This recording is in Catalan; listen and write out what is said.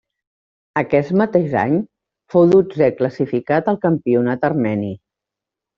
Aquest mateix any fou dotzè classificat al campionat armeni.